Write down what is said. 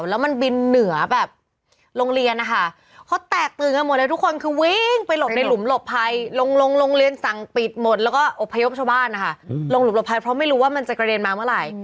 ลงหลุบหลบภัยเพราะไม่รู้ว่ามันจะกระเด็นมาเมื่อไหร่